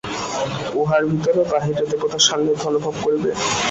উহার ভিতরে ও বাহিরে দেবতার সান্নিধ্য অনুভব করিবে।